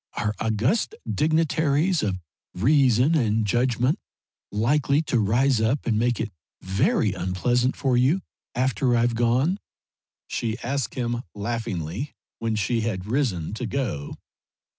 "Are august dignitaries of reason and judgment likely to rise up and make it very unpleasant for you after I've gone?" she asked him, laughingly, when she had risen to go.